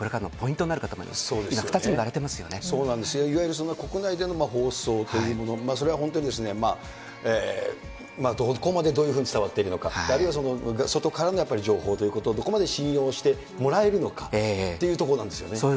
いわゆる国内での放送というもの、それは本当にどこまでどういうふうに伝わっているのか、あるいは外からの情報ということを、どこまで信用してもらえるのかということですよね。